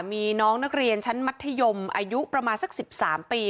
มีน้องนักเรียนชั้นมัธยมอายุประมาณสัก๑๓ปี